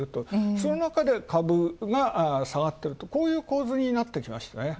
そのなかで株が下がって、こういう構図になってきましたね。